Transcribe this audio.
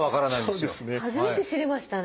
初めて知りましたね。